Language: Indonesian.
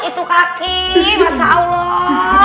itu kaki mas allah